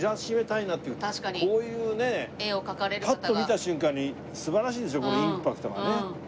こういうねパッと見た瞬間に素晴らしいでしょこのインパクトがね。